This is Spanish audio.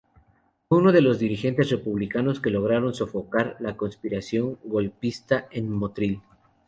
Fue uno de los dirigentes republicanos que lograron sofocar la conspiración golpista en Motril.